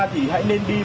thì hãy nên đi